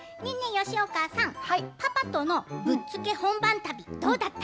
吉岡さん、パパとのぶっつけ本番旅どうだった？